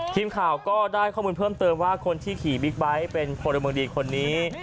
ทีมข่าวก็ได้ข้อมูลเพิ่มเติมว่าคนที่ขี่บิ๊กไบท์เป็นพลเมืองดีคนนี้